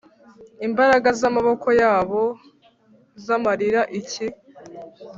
imbaraga z amaboko yabo zamarira iki